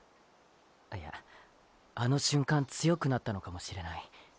あいやあの瞬間強くなったのかもしれない。